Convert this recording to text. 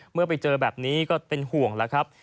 เมื่อไปเจอแบบนี้ก็เป็นห่วงแล้วครับ